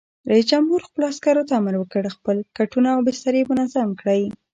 رئیس جمهور خپلو عسکرو ته امر وکړ؛ خپل کټونه او بسترې منظم کړئ!